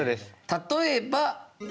例えば。